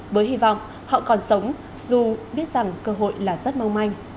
với hy vọng họ còn sống dù biết rằng cơ hội là rất mong manh